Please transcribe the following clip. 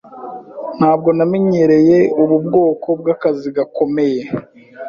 Ntabwo namenyereye ubu bwoko bw'akazi gakomeye.